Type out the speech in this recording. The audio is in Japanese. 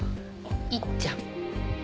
いっちゃん。